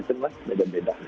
oke pasti seru banget ya di sana